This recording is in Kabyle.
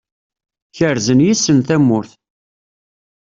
Kerzen yes-sen tamurt.